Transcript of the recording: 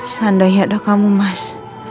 seandainya ada kamu mas